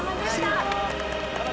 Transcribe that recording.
あら？